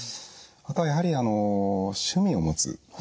あとはやはり趣味を持つ。